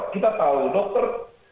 kita tahu dokter